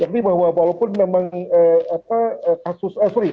yang ini bahwa walaupun memang kasus eh maaf